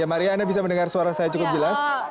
ya maria anda bisa mendengar suara saya cukup jelas